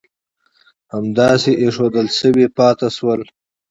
همداسې اېښودل شوي پاتې شول.